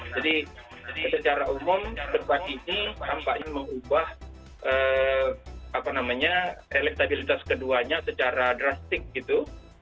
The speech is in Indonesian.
jadi secara umum debat ini tampaknya mengubah elektabilitas keduanya secara drastik gitu